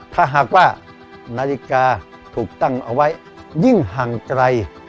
ถ้าหากว่านาฬิกาถูกตั้งเอาไว้ยิ่งห่างไกล